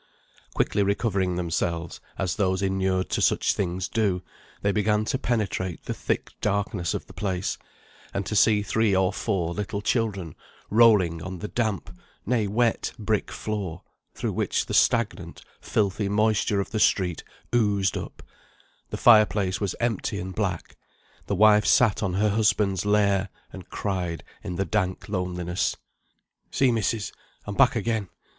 Quickly recovering themselves, as those inured to such things do, they began to penetrate the thick darkness of the place, and to see three or four little children rolling on the damp, nay wet, brick floor, through which the stagnant, filthy moisture of the street oozed up; the fire place was empty and black; the wife sat on her husband's lair, and cried in the dank loneliness. "See, missis, I'm back again.